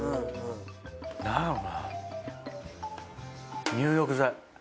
何やろな。